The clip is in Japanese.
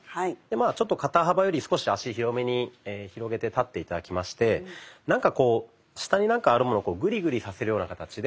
ちょっと肩幅より少し足広めに広げて立って頂きましてなんかこう下に何かあるものをグリグリさせるような形で。